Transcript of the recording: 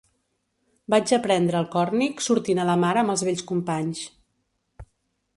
Vaig aprendre el còrnic sortint a la mar amb els vells companys.